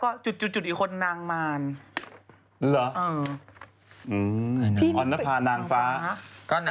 เขียนมาฉีนอยากรู้